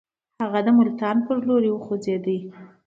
هغه د ملتان پر لور وخوځېدی.